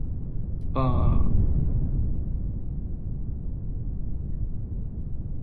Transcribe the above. ふぁあ